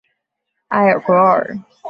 埃尔博尔。